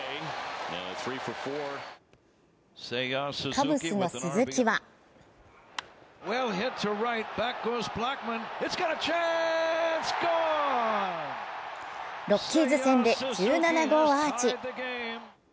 カブスの鈴木はロッキーズ戦で１７号アーチ。